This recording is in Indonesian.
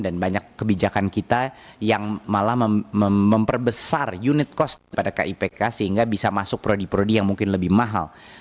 dan banyak kebijakan kita yang malah memperbesar unit cost pada kipk sehingga bisa masuk prodi prodi yang mungkin lebih mahal